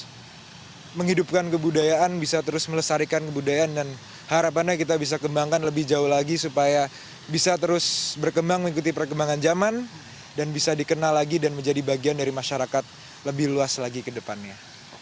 untuk menghidupkan kebudayaan bisa terus melestarikan kebudayaan dan harapannya kita bisa kembangkan lebih jauh lagi supaya bisa terus berkembang mengikuti perkembangan zaman dan bisa dikenal lagi dan menjadi bagian dari masyarakat lebih luas lagi ke depannya